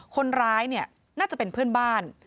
คนร้ายเนี่ยน่าจะเป็นเพื่อนบ้าน